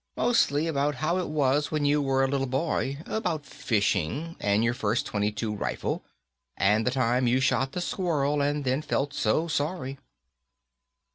"Mostly about how it was when you were a little boy. About fishing, and your first .22 rifle. And the time you shot the squirrel, and then felt so sorry."